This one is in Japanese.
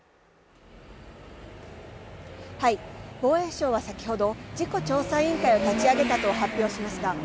防衛省は先ほど、事故調査委員会を立ち上げたと発表しました。